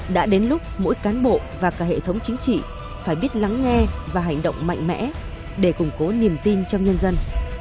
đã đến lúc mỗi cán bộ và cả hệ thống chính trị phải biết lắng nghe và hành động mạnh mẽ để củng cố niềm tin trong nhân dân